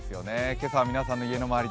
今朝は皆さんの家の周り